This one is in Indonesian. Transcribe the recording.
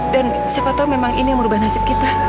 dan siapa tau memang ini yang merubah nasib kita